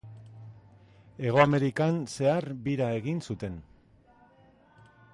Hego Amerikan zehar bira egin zuten.